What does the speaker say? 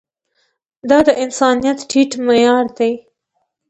دا د انسانيت ټيټ معيار دی.